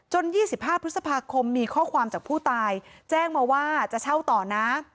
๒๕พฤษภาคมมีข้อความจากผู้ตายแจ้งมาว่าจะเช่าต่อนะ